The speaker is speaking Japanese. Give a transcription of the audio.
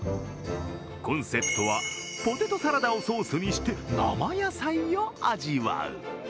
コンセプトは、ポテトサラダをソースにして生野菜を味わう。